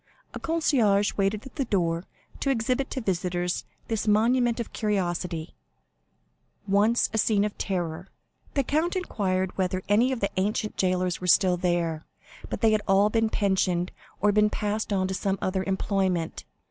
A concierge waited at the door to exhibit to visitors this monument of curiosity, once a scene of terror. The count inquired whether any of the ancient jailers were still there; but they had all been pensioned, or had passed on to some other employment.